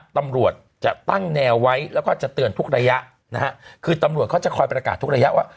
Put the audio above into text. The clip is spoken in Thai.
ตำรวจจะตั้งแนวไว้แล้วก็จะเตือนทุกระยะนะฮะคือตำรวจเขาจะคอยประกาศทุกระยะว่า